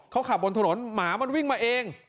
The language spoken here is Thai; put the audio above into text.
เขาขับบนถนนหมามันวิ่งมาเอง